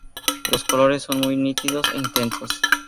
Los colores son muy nítidos e intensos.